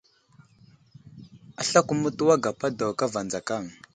Aslako mətuway gapa daw kava adzakaŋ.